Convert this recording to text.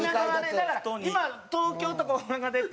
だから、今、東京とか大阪出て。